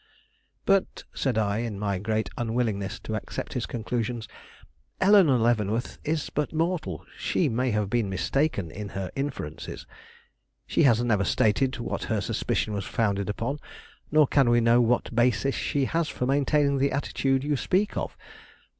"But," said I, in my great unwillingness to accept his conclusions, "Eleanore Leavenworth is but mortal. She may have been mistaken in her inferences. She has never stated what her suspicion was founded upon; nor can we know what basis she has for maintaining the attitude you speak of.